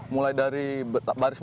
mulai dari belaplikasian